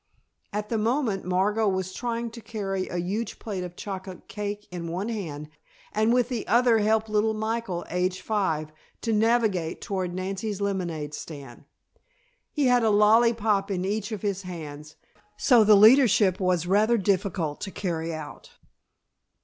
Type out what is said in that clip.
At the moment Margot was trying to carry a huge plate of chocolate cake in one hand, and with the other help little Michael, age five, to navigate toward Nancy's lemonade stand. He had a lollypop in each of his hands, so the leadership was rather difficult to carry out.